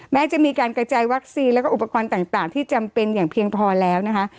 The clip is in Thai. แม้จะมีการกระจายวัคซีนแล้วก็อุปกรณ์ต่างที่จำเป็นอย่างเพียงพอแล้วนะคะ